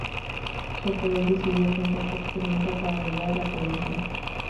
Se operó y decidió contar su experiencia para ayudar a la prevención.